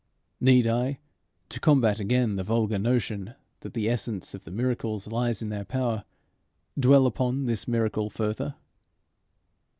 Need I, to combat again the vulgar notion that the essence of the miracles lies in their power, dwell upon this miracle further?